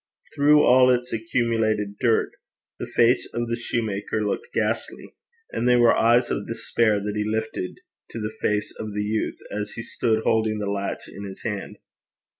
Through all its accumulated dirt, the face of the soutar looked ghastly, and they were eyes of despair that he lifted to the face of the youth as he stood holding the latch in his hand.